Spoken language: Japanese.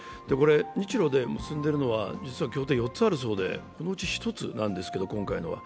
日ロで結んでいるのは協定４つあるそうで、このうち１つなんですけれども、今回のは。